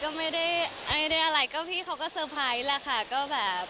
ก็ไม่ได้อะไรเธอก็แซ่บไพรส์แล้วค่ะ